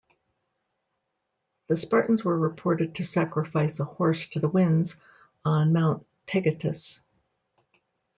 The Spartans were reported to sacrifice a horse to the winds on Mount Taygetus.